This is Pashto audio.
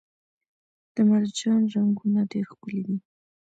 د مرجان رنګونه ډیر ښکلي دي